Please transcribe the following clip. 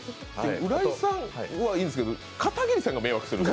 浦井さんはいいんですけど片桐さんが迷惑するんで。